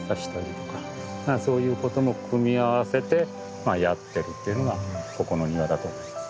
だからそういうことも組み合わせてやってるっていうのがここの庭だと思います。